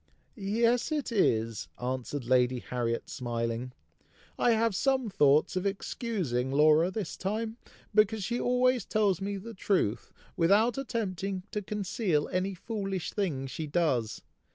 "Yes, it is!" answered Lady Harriet, smiling. "I have some thoughts of excusing Laura this time, because she always tells me the truth, without attempting to conceal any foolish thing she does.